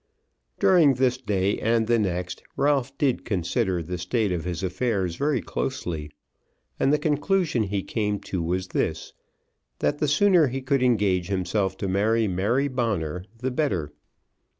During this day and the next Ralph did consider the state of his affairs very closely, and the conclusion he came to was this, that the sooner he could engage himself to marry Mary Bonner the better.